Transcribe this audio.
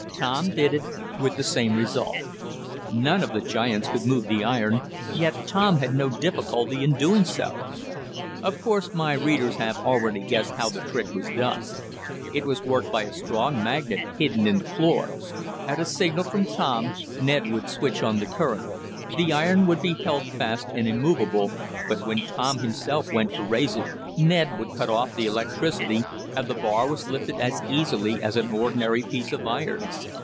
Tom did it, with the same result. None of the giants could move the iron, yet Tom had no difficulty in doing so. Of course my readers have already guessed how the trick was done. It was worked by a strong magnet, hidden in the floor. At a signal from Tom, Ned would switch on the current. The iron would be held fast and immovable, but when Tom himself went to raise it Ned would cut off the electricity and the bar was lifted as easily as an ordinary piece of iron.